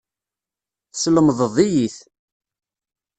Teslemdeḍ-iyi-t.